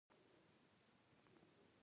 بیحي په کابل او لوګر کې کیږي.